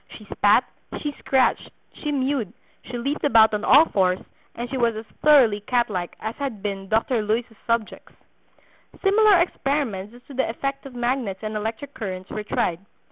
She spat, she scratched, she mewed, she leapt about on all fours, and she was as thoroughly cat like as had been Dr. Luys's subjects." Similar experiments as to the effect of magnets and electric currents were tried.